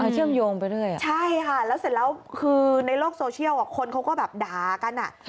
เชื่อมโยงไปเรื่อยใช่ค่ะแล้วเสร็จแล้วคือในโลกโซเชียลคนเขาก็แบบด่ากัน